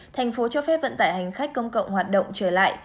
thành phố cho phép vận tải hành khách công cộng hoạt động trở lại